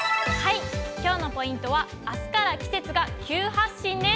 きょうのポイントは、あすから季節が急発進です。